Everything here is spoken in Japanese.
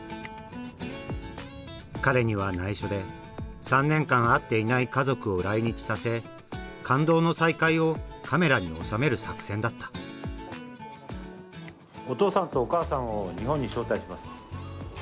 彼にはないしょで３年間会っていない家族を来日させ感動の再会をカメラに収める作戦だったお父さんとお母さんを日本に招待します。